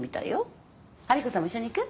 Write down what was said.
春彦さんも一緒に行く？